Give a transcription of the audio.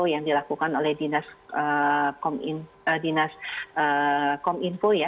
yang dilakukan oleh dinas kominfo ya